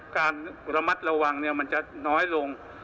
การระมัดระวังมันจะน้อยลง